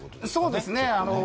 そうですね。